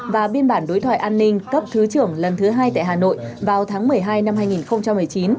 và biên bản đối thoại an ninh cấp thứ trưởng lần thứ hai tại hà nội vào tháng một mươi hai năm hai nghìn một mươi chín